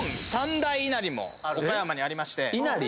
岡山にありまして。